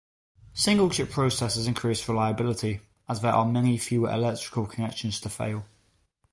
Single-chip processors increase reliability as there are many fewer electrical connections to fail.